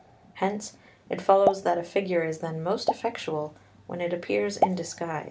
Hence it follows that a figure is then most effectual when it appears in disguise.